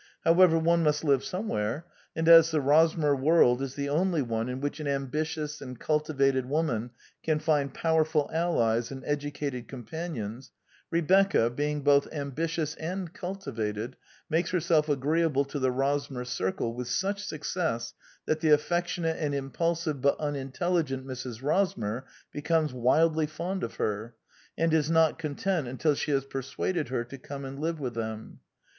However, one must live somewhere; and as the Rosmer world is the only one in which an ambi tious and cultivated woman can find powerful allies and educated companions, Rebecca, being both ambitious and cultivated, makes herself agreeable to the Rosmer circle with such success that the stfiectionate and impulsive but unintelli gent Mrs. Rosmer becomes wildly fond of her, and is not content until she has persuaded her to come and live with them.